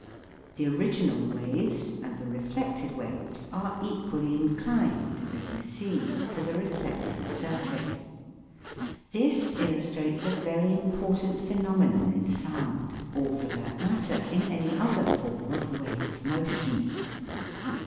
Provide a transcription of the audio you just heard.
The original waves and the reflected waves are equally inclined, as you see, to the reflecting surface. This illustrates a very important phenomenon in sound, or for that matter in any other form of wave motion.